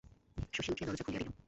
শশী উঠিয়া দরজা খুলিয়া দিল।